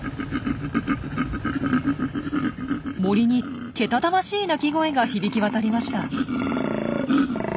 森にけたたましい鳴き声が響き渡りました。